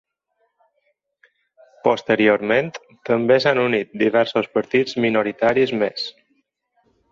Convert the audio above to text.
Posteriorment, també s'han unit diversos partits minoritaris més.